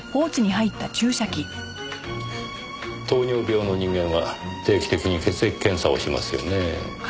糖尿病の人間は定期的に血液検査をしますよねぇ。